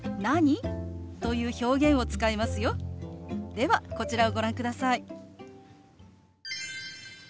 ではこちらをご覧ください。